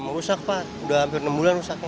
memang rusak pak sudah hampir enam bulan rusaknya